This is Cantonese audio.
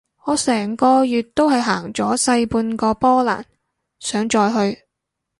我成個月都係行咗細半個波蘭，想再去